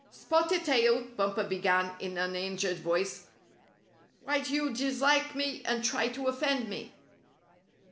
" Spotted Tail," Bumper began in an injured voice, " why do you dislike me, and try to offend me?"